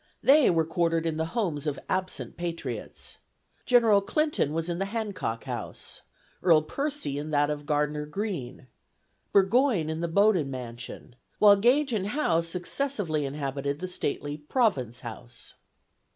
They were quartered in the homes of absent patriots. General Clinton was in the Hancock House, Earl Percy in that of Gardner Greene, Burgoyne in the Bowdoin mansion; while Gage and Howe successively inhabited the stately Province House.